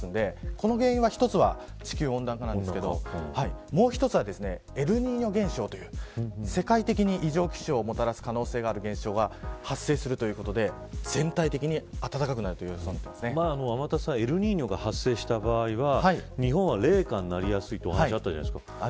この原因の一つは地球温暖化なんですけれどもう一つはエルニーニョ現象という世界的に異常気象をもたらす可能性がある現象が発生するということで天達さん、エルニーニョが発生した場合は日本は冷夏になりやすいと言っていたじゃないですか。